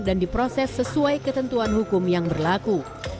dan diproses sesuai ketentuan hukum yang berlaku